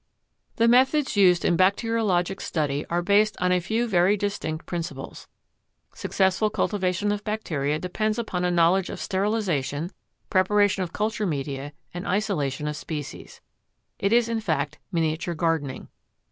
The methods used in bacteriologic study are based on a few very distinct principles. Successful cultivation of bacteria depends upon a knowledge of sterilization, preparation of culture media and isolation of species. It is in fact miniature gardening.